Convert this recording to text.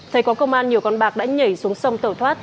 thấy có công an nhiều con bạc đã nhảy xuống sông tẩu thoát